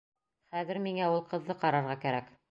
— Хәҙер миңә ул ҡыҙҙы ҡарарға кәрәк.